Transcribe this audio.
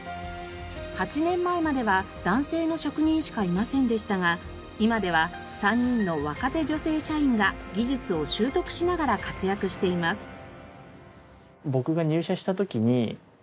８年前までは男性の職人しかいませんでしたが今では３人の若手女性社員が技術を習得しながら活躍しています。